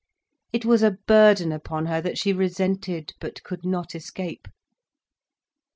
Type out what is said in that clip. It was a burden upon her, that she resented, but could not escape.